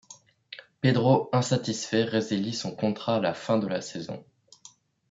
Pedro insatisfait résilie son contrat à la fin de la saison.